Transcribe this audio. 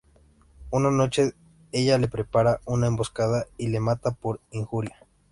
Una noche ella le prepara una emboscada y le mata por la injuria.